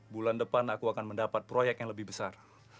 bulan depan aku akan mendapat proyek yang lebih besar